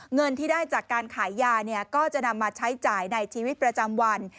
เงินที่ได้จากการขายยาก็จะนำมาใช้จ่ายในชีวิตประจำวัน